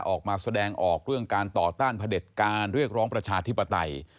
ออกมาแสดงออกเรื่องการต่อต้านพระเด็จการเรียกร้องประชาธิปไตย